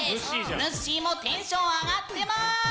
ぬっしーもテンション上がってます！